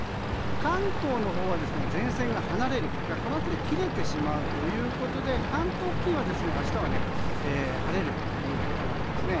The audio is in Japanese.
関東のほうは前線が離れるかこの辺りで切れてしまうということで関東付近は明日は晴れるということなんですね。